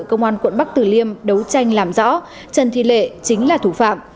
công an quận bắc tử liêm đấu tranh làm rõ trần thị lệ chính là thủ phạm